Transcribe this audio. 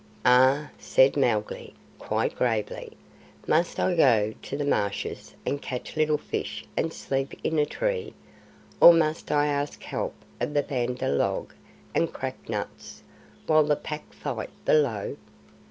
"Ah," said Mowgli, quite gravely, "must I go to the marshes and catch little fish and sleep in a tree, or must I ask help of the Bandar log and crack nuts, while the Pack fight below?"